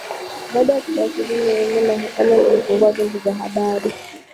baada ya kukaidi maamuzi ya mahakama ya kuvifungulia vyombo vya habari